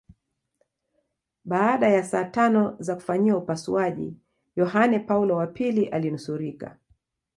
Baada ya saa tano za kufanyiwa upasuaji Yohane Paulo wa pili alinusurika